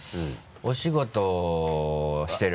お仕事してる？